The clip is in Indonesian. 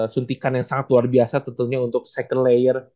suntikan yang sangat luar biasa tentunya untuk second layer